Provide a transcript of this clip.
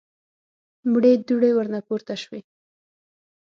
مړې دوړې ورنه پورته شوې.